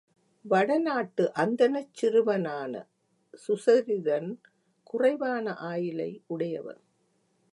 வட நாட்டு அந்தணச் சிறுவனான சுசரிதன் குறைவான ஆயுளை உடையவன்.